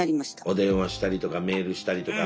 お電話したりとかメールしたりとか。